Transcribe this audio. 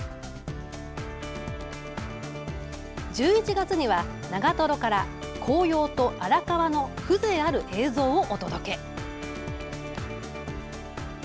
１１月には長瀞から紅葉と荒川の風情ある映像をお届け。